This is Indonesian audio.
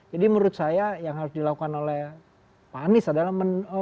jadi menurut saya yang harus dilakukan oleh pak anies adalah